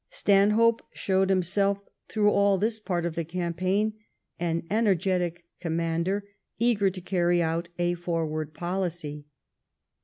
Stanhope showed himself, through all this part of the campaign, an energetic commander eager to carry out a forward poHcy.